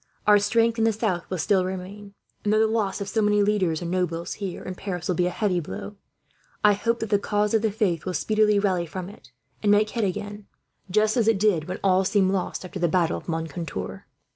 Our strength in the south will still remain and, though the loss of so many leaders and nobles, here in Paris, will be a heavy blow, I hope that the cause of the faith will speedily rally from it and make head again; just as it did when all seemed lost, after the battle of Moncontour."